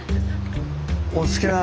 お好きな。